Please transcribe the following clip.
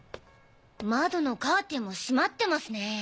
窓のカーテンも閉まってますね。